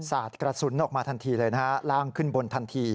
สาดกระสุนออกมาทันทีเลยนะฮะร่างขึ้นบนทันที